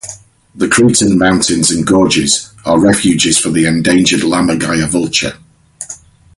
The Cretan mountains and gorges are refuges for the endangered lammergeier vulture.